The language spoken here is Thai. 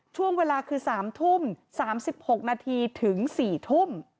ช่วงเวลาคือ๓ทุ่ม๓๖นาทีถึง๔ทุ่ม